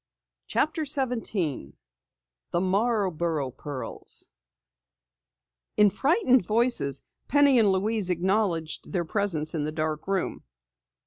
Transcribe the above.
CHAPTER 17 THE MARBOROUGH PEARLS In frightened voices Penny and Louise acknowledged their presence in the dark room.